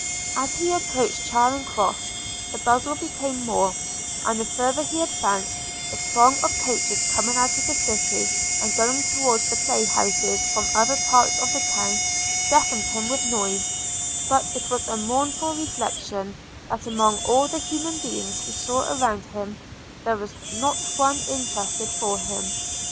As he approached Charing Cross the bustle became more; and the farther he advanced, the throng of coaches coming out of the city, and going towards the playhouses from other parts of the town, deafened him with noise: but it was a mournful reflection, that, among all the human beings he saw around him, there was not one interested for him.